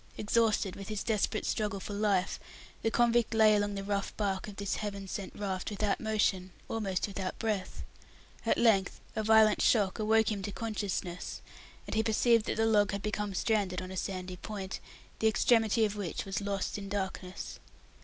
Exhausted with his desperate struggle for life, the convict lay along the rough back of this Heaven sent raft without motion, almost without breath. At length a violent shock awoke him to consciousness, and he perceived that the log had become stranded on a sandy point, the extremity of which was lost in darkness.